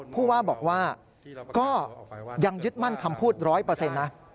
ผู้ว่าบอกว่าก็ยังยึดมั่นคำพูด๑๐๐นะ